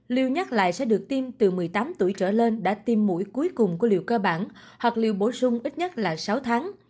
lưu nhắc lại sẽ được tiêm từ một mươi tám tuổi trở lên đã tiêm mũi cuối cùng của liều cơ bản hoặc liều bổ sung ít nhất là sáu tháng